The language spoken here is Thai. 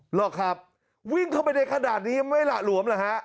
หรอกครับวิ่งเข้าไปในขนาดนี้ไม่หละหลวมเหรอฮะ